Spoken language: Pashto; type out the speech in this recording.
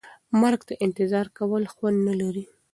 مرګ ته انتظار کول خوند نه لري.